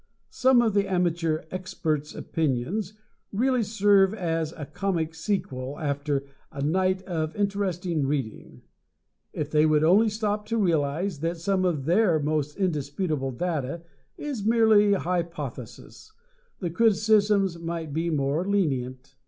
Some of the amateur experts' opinions really serve as a comic sequel after a night of interesting reading. If they would only stop to realize that some of their most indisputable data is merely hypothesis, the criticisms might be more lenient.